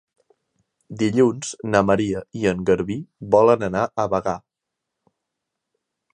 Dilluns na Maria i en Garbí volen anar a Bagà.